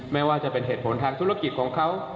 ไม่ว่าจะเป็นเหตุผลทางธุรกิจของเขา